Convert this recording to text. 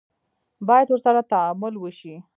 باید ورسره تعامل وشي.